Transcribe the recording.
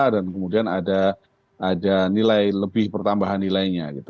dan kemudian ada nilai lebih pertambahan nilainya gitu